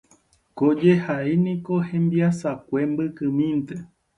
Ko jehai niko hembiasakue mbykymínte.